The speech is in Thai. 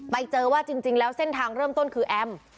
ไปเจอว่าจริงแล้วเส้นทางเริ่มต้นคือแอม